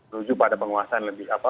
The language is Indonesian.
tuju pada pengawasan lebih apa